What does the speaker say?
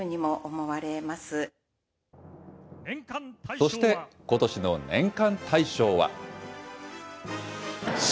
そしてことしの年間大賞は。